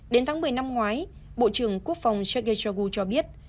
đến tháng một mươi năm ngoái bộ trưởng quốc phòng sergei shoigu cho biết